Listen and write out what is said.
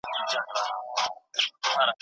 د يرموک پېښه د تاريخ يو مهم درس دی.